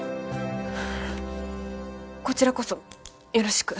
こちらこそよろしく